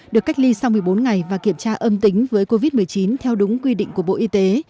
được cách ly sau một mươi bốn ngày và kiểm tra âm tính với covid một mươi chín theo đúng quy định của bộ y tế